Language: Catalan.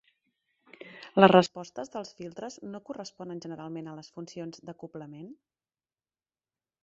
Les respostes dels filtres no corresponen generalment a les funcions d'acoblament???